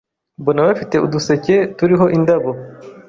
mbona bafite uduseke turiho indabo